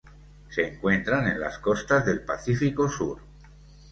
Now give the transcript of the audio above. Se encuentran en las costas del Pacífico sur.